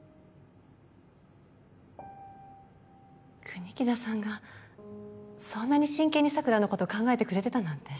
国木田さんがそんなに真剣に桜の事を考えてくれてたなんて。